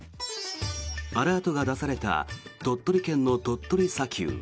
アラートが出された鳥取県の鳥取砂丘。